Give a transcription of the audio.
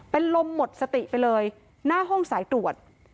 เป็นลมหมดสติไปเลยหน้าห้องสายตรวจ